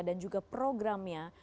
dan juga programnya